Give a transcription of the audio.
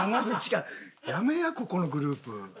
やめえやここのグループ。